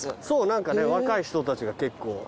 そう何かね若い人たちが結構。